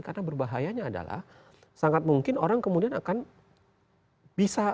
karena berbahayanya adalah sangat mungkin orang kemudian akan bisa